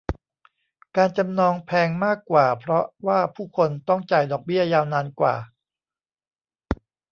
การจำนองแพงมากกว่าเพราะว่าผู้คนต้องจ่ายดอกเบี้ยยาวนานกว่า